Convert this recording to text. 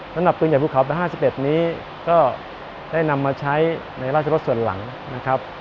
สำหรับปืนใหญ่ภูเขาประห้าสิบเอ็ดนี้ก็ได้นำมาใช้ในราชรสส่วนหลังนะครับ